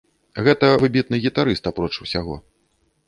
Гэта выбітны гітарыст, апроч усяго.